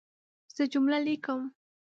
زه جمله لیکم.